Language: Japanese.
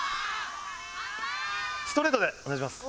ストレートでお願いします。